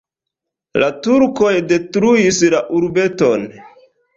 La turkoj detruis la urbeton.